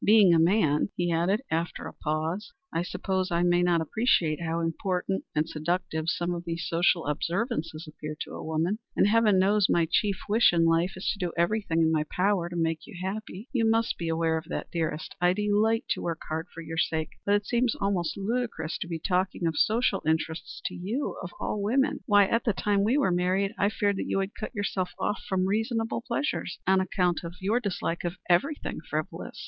Being a man," he added, after a pause, "I suppose I may not appreciate how important and seductive some of these social observances appear to a woman, and heaven knows my chief wish in life is to do everything in my power to make you happy. You must be aware of that, dearest. I delight to work hard for your sake. But it seems almost ludicrous to be talking of social interests to you, of all women. Why, at the time we were married, I feared that you would cut yourself off from reasonable pleasures on account of your dislike of everything frivolous.